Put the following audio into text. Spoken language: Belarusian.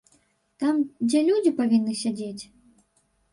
Там, дзе людзі павінны сядзець?